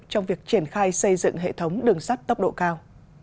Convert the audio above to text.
trong việc triển khai xây dựng hệ thống đường sắt tốc độ cao